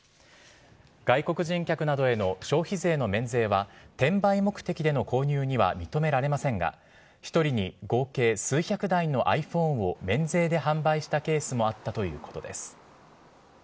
外国人客などへの消費税の免税は転売目的での購入には認められませんが、１人に合計数百台のｉＰｈｏｎｅを免税で販売したケースもあったということです。